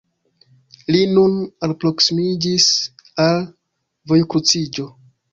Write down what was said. li nun alproksimiĝis al vojkruciĝo.